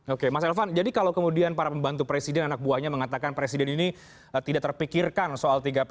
oke mas elvan jadi kalau kemudian para pembantu presiden anak buahnya mengatakan presiden ini tidak terpikirkan soal tiga pp